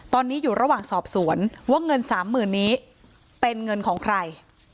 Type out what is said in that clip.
ตอนนี้อยู่ระหว่างสอบสวนว่าเงิน๓๐๐๐นี้เป็นเงินของใคร